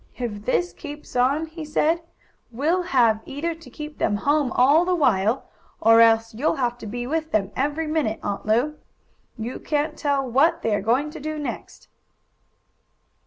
"If this keeps on," he said, "we'll have either to keep them home all the while, or else you'll have to be with them every minute, Aunt Lu. You can't tell what they are going to do next."